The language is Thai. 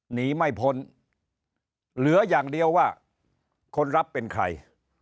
หนีไม่พ้นเหลืออย่างเดียวว่าคนรับเป็นใคร